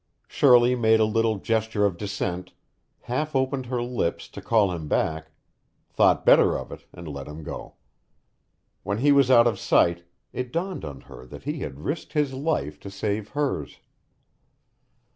Shirley made a little gesture of dissent, half opened her lips to call him back, thought better of it, and let him go. When he was out of sight, it dawned on her that he had risked his life to save hers.